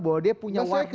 bahwa dia punya warna baru